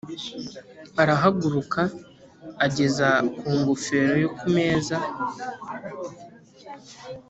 arahaguruka, ageza ku ngofero ye ku meza.